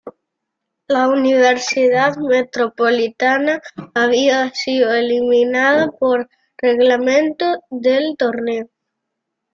La Universidad Metropolitana había sido eliminada por reglamento del torneo.